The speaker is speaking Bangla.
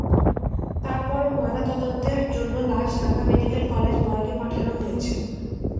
তার পরও ময়নাতদন্তের জন্য লাশ ঢাকা মেডিকেল কলেজ মর্গে পাঠানো হয়েছে।